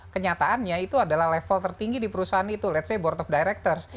kenyataannya itu adalah level tertinggi di perusahaan itu let's say board of directors